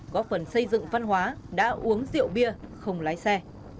góp phần xây dựng văn hóa đã uống rượu bia không lái xe